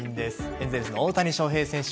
エンゼルスの大谷翔平選手